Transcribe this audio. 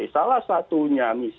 salah satunya misalnya